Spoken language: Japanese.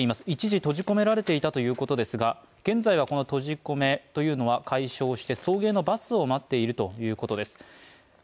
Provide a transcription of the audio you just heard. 一時閉じ込められていたということですが、現在はこの閉じ込めというのは解消して送迎のバスを待っているということです。